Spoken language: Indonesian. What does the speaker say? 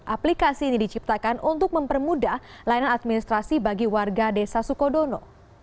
aplikasi ini diciptakan untuk mempermudah layanan administrasi bagi warga desa sukodono